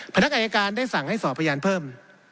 พนักงานอายการได้สั่งให้สอบพยานเพิ่ม